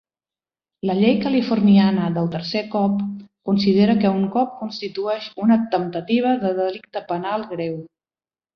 La llei californiana del tercer cop considera que un cop constitueix una temptativa de delicte penal greu.